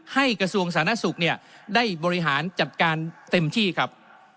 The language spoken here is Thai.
กระทรวงสาธารณสุขเนี่ยได้บริหารจัดการเต็มที่ครับ